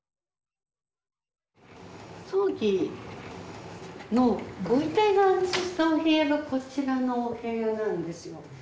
葬儀のご遺体の安置したお部屋がこちらのお部屋なんですよ。